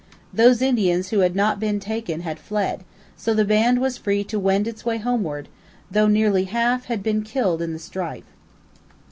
Those Indians who had not been taken had fled; so the band was free to wend its way homeward, though nearly half had been killed in the strife.